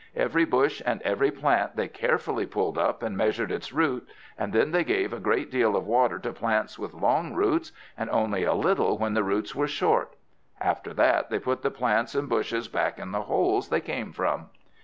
Every bush and every plant they carefully pulled up, and measured its roots; and then they gave a great deal of water to plants with long roots, and only a little when the roots were short. After that they put the plants and bushes back in the holes they came from.